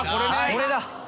これだ。